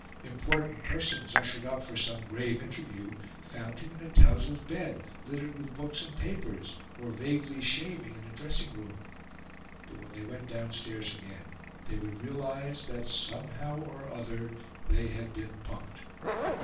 Important persons, ushered up for some grave interview, found him in a towselled bed, littered with books and papers, or vaguely shaving in a dressing room; but, when they went downstairs again, they would realise that somehow or other they had been pumped.